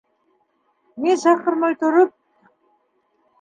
Мин саҡырмай тороп...